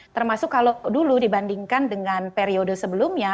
termasuk kalau dulu dibandingkan dengan periode sebelumnya